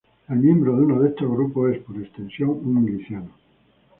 El miembro de uno de estos grupos es, por extensión, un miliciano.